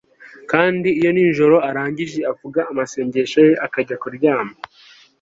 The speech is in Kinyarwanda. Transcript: Kandi iyo nijoro arangije avuga amasengesho ye akajya kuryama